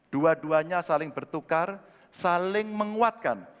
dua duanya saling bertukar saling menguatkan